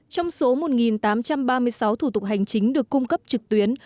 trong số một tám trăm ba mươi sáu thủ tục hành chính được cung cấp trực tuyến